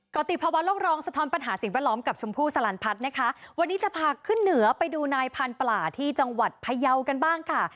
กรติภาวะโลกรองสะท้อนปัญหาสิ่งแวดล้อมกับชมพู่สลันพัฒน์นะคะวันนี้จะพาขึ้นเหนือไปดูนายพันธุ์ปลาที่จังหวัดพยาวกันบ้างค่ะ